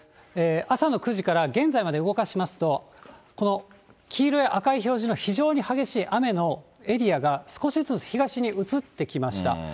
朝の９時から現在まで動かしますと、この黄色や赤い表示の非常に激しい雨のエリアが、少しずつ東に移ってきました。